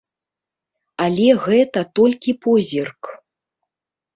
Але гэта толькі позірк.